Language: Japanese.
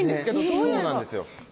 そうなんですよ。